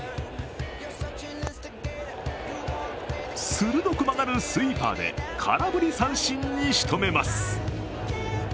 鋭く曲がるスイーパーで空振り三振にしとめます。